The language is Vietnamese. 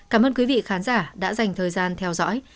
cảm ơn quý vị khán giả đã dành thời gian theo dõi